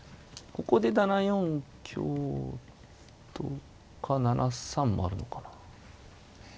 ここで７四香とか７三もあるのかな。